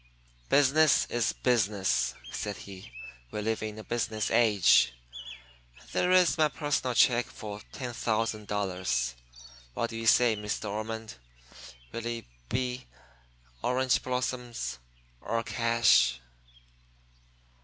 "Business is business," said he. "We live in a business age. There is my personal check for $10,000. What do you say, Miss De Ormond will it he orange blossoms or cash?"